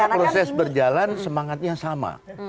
proses berjalan semangatnya sama